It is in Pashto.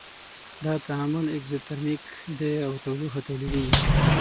دا تعامل اکزوترمیک دی او تودوخه تولیدیږي.